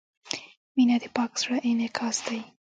• مینه د پاک زړۀ انعکاس دی.